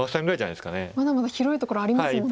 まだまだ広いところありますもんね。